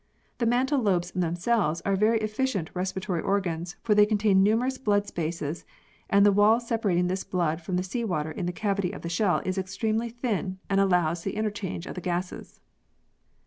The mantle lobes themselves are very efficient respiratory organs, for they contain numerous blood spaces, and the wall separating this blood from the sea water in the cavity of the shell is extremely thin and allows the interchange of the gases.